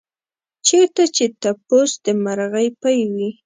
چېرته چې تپوس د مرغۍ پۍ وي.